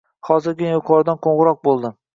Hozirgina yuqoridan qo`ng`iroq bo`ldi